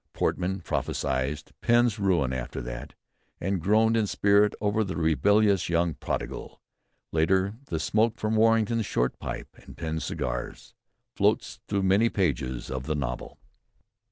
Portman prophesied Pen's ruin after that, and groaned in spirit over the rebellious young prodigal." Later the smoke from Warrington's short pipe and Pen's cigars floats through many pages of the novel.